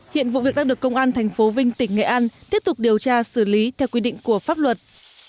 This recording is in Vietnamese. hiện vụ việc đang được công an tp vinh tỉnh nghệ an tiếp tục điều tra xử lý theo quy định của pháp luật